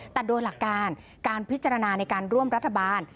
แต่โดยหลักการการพิจารณาในการร่วมรัฐบาล